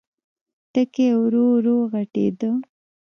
ټکی ورو، ورو غټېده.